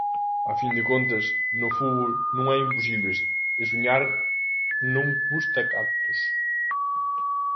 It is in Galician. A fin de contas, no fútbol non hai imposibles e soñar non custa cartos.